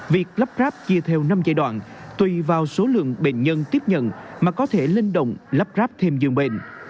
việc lắp ráp chia theo năm giai đoạn tùy vào số lượng bệnh nhân tiếp nhận mà có thể linh động lắp ráp thêm dường bệnh